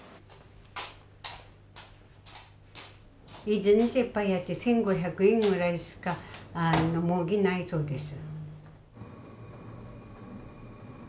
一日いっぱいやって１，５００円ぐらいしか儲けないそうです。